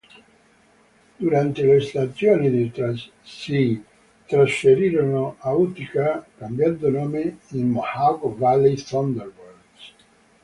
Durante la stagione si trasferirono a Utica cambiando nome in Mohawk Valley Thunderbirds.